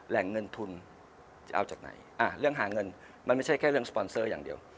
แหล่งเงินทุนจะเอาจากไหนเรื่องหาเงินมันไม่ใช่แค่เรื่องสปอนเซอร์อย่างเดียว